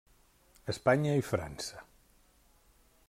Espanya i França.